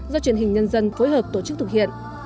do truyền hình nhân dân phối hợp tổ chức thực hiện